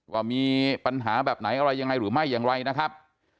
ว่ามีปัญหาแบบไหนอะไรยังไงหรือไม่อย่างไรนะครับ